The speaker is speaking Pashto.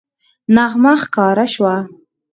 نغمه ښکاره شوه